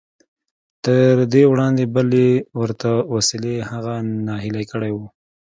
تر دې وړاندې بلې ورته وسیلې هغه ناهیلی کړی و